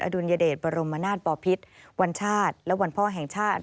ดุลยเดชบรมนาศปอพิษวันชาติและวันพ่อแห่งชาติ